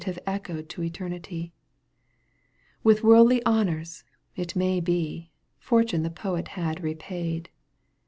Have echoed to eternity. With worldly honours, it may be, Fortune the poet had repaid.